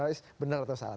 lalu benar atau salah